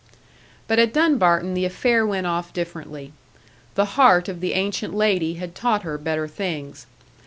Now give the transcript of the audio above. But at Dunbarton the affair went off differently. The heart of the ancient lady had taught her better things.